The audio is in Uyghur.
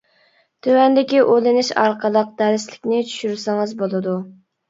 تۆۋەندىكى ئۇلىنىش ئارقىلىق دەرسلىكنى چۈشۈرسىڭىز بولىدۇ.